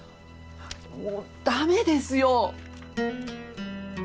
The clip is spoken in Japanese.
もう駄目ですよ！